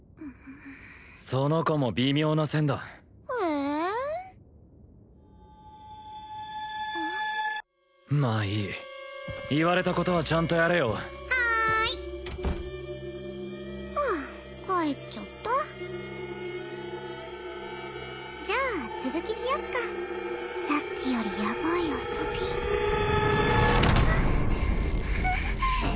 その子も微妙な線だえまあいい言われたことはちゃんとやれよはーい！はあ帰っちゃったじゃあ続きしよっかさっきよりヤバい遊びはあはあ